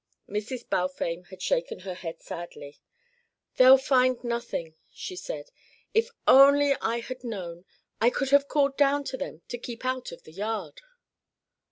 Mrs. Balfame had shaken her head sadly. "They'll find nothing," she said. "If only I had known, I could have called down to them to keep out of the yard."